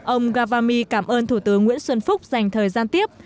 ông gavami cảm ơn thủ tướng nguyễn xuân phúc dành thời gian tiếp